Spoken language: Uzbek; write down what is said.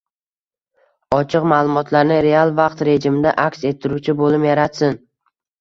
Ochiq ma’lumotlarni real vaqt rejimida aks ettiruvchi bo‘lim yaratsin.